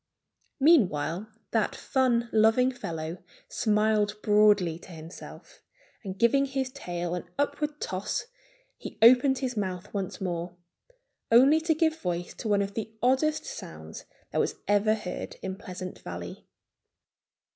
Meanwhile that fun loving fellow smiled broadly to himself. And giving his tail an upward toss he opened his mouth once more, only to give voice to one of the oddest sounds that was ever heard in Pleasant Valley.